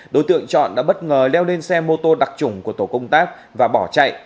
đối tượng trọn đã bất ngờ leo lên xe mô tô đặc trủng của tổ công tác và bỏ chạy